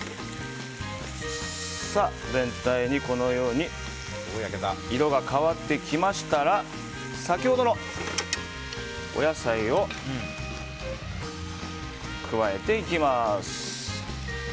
全体にこのように色が変わってきましたら先ほどのお野菜を加えていきます。